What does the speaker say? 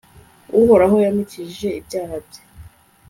uhoraho yamukijije ibyaha bye